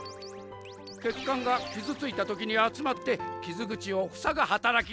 血管が傷ついた時に集まって傷口をふさぐ働きをする。